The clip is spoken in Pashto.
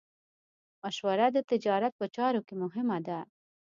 مشوره د تجارت په چارو کې مهمه ده.